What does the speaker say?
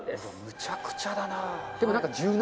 むちゃくちゃだなでも。